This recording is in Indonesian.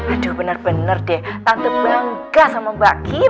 aduh bener bener deh tante bangga sama mbak kim